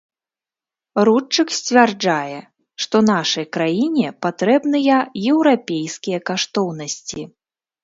Рудчык сцвярджае, што нашай краіне патрэбныя еўрапейскія каштоўнасці.